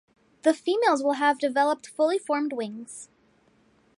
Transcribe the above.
The females will have developed fully formed wings.